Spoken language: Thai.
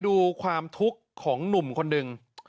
ดูความทุกข์ของหนุ่มคนหนึ่ง